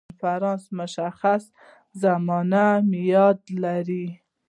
کنفرانس مشخص زماني معیاد لري.